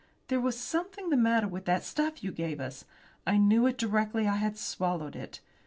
There was something the matter with that stuff you gave us. I knew it directly I had swallowed it.